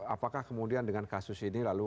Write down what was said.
apakah kemudian dengan kasus ini lalu